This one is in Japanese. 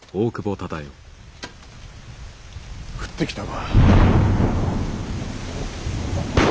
降ってきたか。